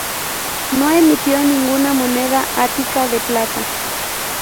No emitió ninguna moneda ática de plata.